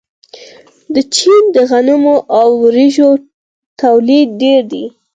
د چین د غنمو او وریجو تولید ډیر دی.